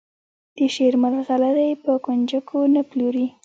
د شعر مرغلرې په کونجکو نه پلوري.